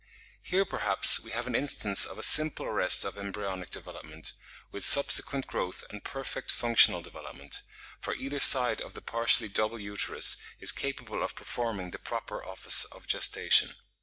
Here perhaps we have an instance of a simple arrest of embryonic development, with subsequent growth and perfect functional development; for either side of the partially double uterus is capable of performing the proper office of gestation.